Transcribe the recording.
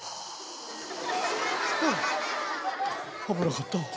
危なかった。